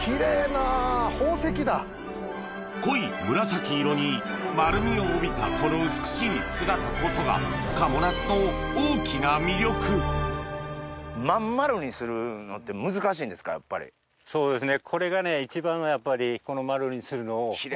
濃い紫色に丸みを帯びたこの美しい姿こそが賀茂なすの大きな魅力そうですね。